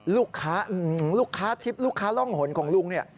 ลูกค้าล่องหลนของลุงนี่